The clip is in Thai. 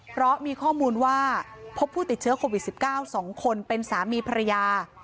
เพราะมีข้อมูลว่าพบผู้ติดเชื้อโควิด๑๙๒คนเป็นสามีภรรยา